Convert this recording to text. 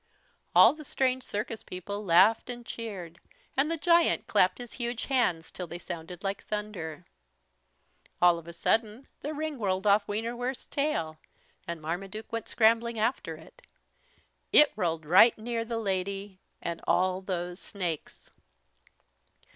All the strange circus people laughed and cheered and the giant clapped his huge hands till they sounded like thunder. All of a sudden the ring rolled off Wienerwurst's tail, and Marmaduke went scrambling after it. It rolled right near the lady and all those snakes!